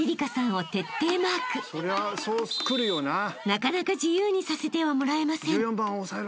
［なかなか自由にさせてはもらえません］